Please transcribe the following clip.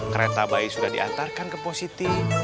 kereta bayi sudah diantarkan ke positif